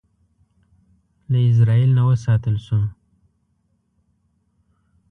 له ازرائیل نه وساتل شو.